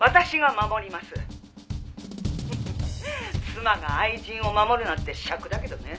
妻が愛人を守るなんて癪だけどね」